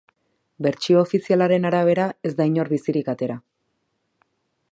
Bertsio ofizialaren arabera, ez da inor bizirik atera.